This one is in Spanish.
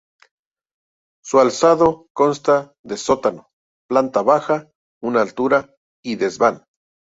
Su alzado consta de sótano, planta baja, una altura y desván.